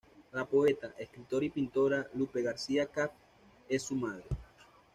La poeta, escritora y pintora Lupe García Caffi es su madre.